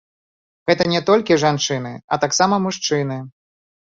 Гэта не толькі жанчыны, а таксама мужчыны.